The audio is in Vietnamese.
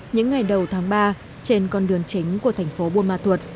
những ngày đầu tháng ba trên con đường chính của thành phố buôn ma thuột